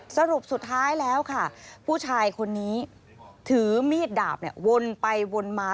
สรุปสุดท้ายแล้วค่ะผู้ชายคนนี้ถือมีดดาบวนไปวนมา